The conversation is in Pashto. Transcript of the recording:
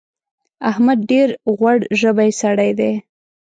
احمد ډېر غوړ ژبی سړی دی.